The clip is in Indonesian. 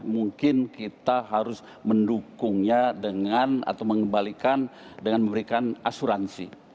mungkin kita harus mendukungnya dengan atau mengembalikan dengan memberikan asuransi